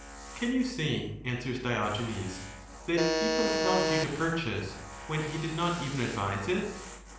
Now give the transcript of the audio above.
"Can you say," answers Diogenes, '' that he com pelled you to purchase, when he did not even advise it